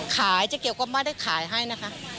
เจ๊เกียวก็ไม่ได้ขายให้นะคะ